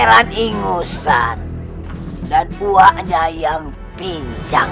marco aksyntitu otakin hati dan penauran lahir di ruangan perumahan